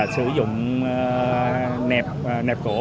sử dụng nẹp cổ